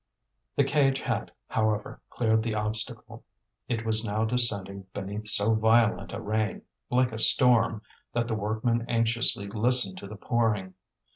The cage had, however, cleared the obstacle. It was now descending beneath so violent a rain, like a storm, that the workmen anxiously listened to the pouring.